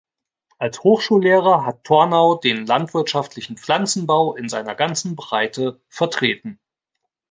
Als Hochschullehrer hat Tornau den landwirtschaftlichen Pflanzenbau in seiner ganzen Breite vertreten.